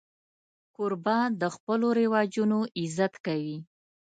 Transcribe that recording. کوربه د خپلو رواجونو عزت کوي.